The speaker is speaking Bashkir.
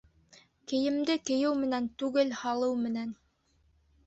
Кейемде кейеү менән түгел, һалыу менән.